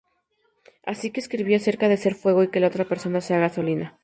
Así que escribí acerca de ser fuego y que la otra persona sea gasolina.